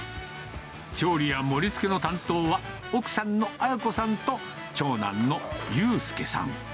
調理や盛りつけの担当は奥さんの文子さんと、長男の悠佑さん。